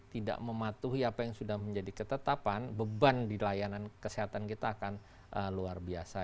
tidak mematuhi apa yang sudah menjadi ketetapan beban di layanan kesehatan kita akan luar biasa